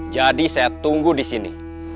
jadi saya tunggu disini